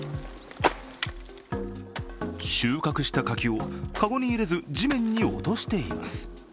収穫した柿を籠に入れず地面に落としています。